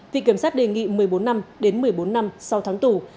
viện kiểm sát đề nghị một mươi bốn năm đến một mươi bốn năm sau tháng tù